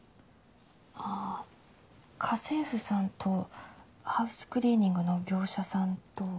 あぁ家政婦さんとハウスクリーニングの業者さんと。